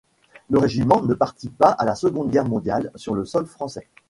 Le régiment ne participe pas à la Seconde Guerre mondiale sur le sol français.